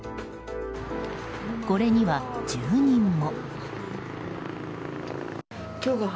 これには住人も。